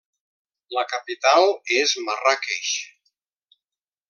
La capital és Marràqueix.